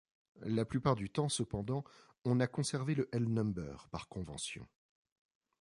La plupart du temps, cependant, on a conservé le L-number, par convention.